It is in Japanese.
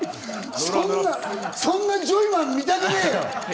そんなジョイマン、見たくないよ！